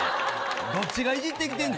どっちがいじってきてんねん。